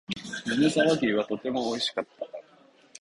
米沢牛はとても美味しかった